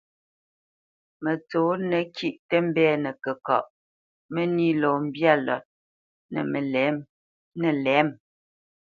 Mətsǒnə kîʼ tə mbɛ́nə kəkaʼ, mə́nī lɔ mbyâ lət nə̂ lɛ̌mə.